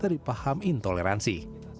dan terdapat paham intoleransi